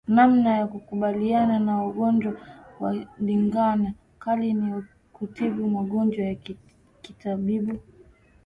Namna ya kukabiliana na ugonjwa wa ndigana kali ni kutibu magonjwa ya kitabibu